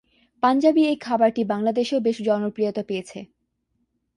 পাঞ্জাবি এই খাবারটি বাংলাদেশেও বেশ জনপ্রিয়তা পেয়েছে।